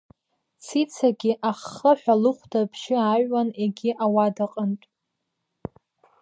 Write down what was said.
Цицагьы аххыҳәа лыхәда абжьы ааҩуан егьи ауадаҟынтә.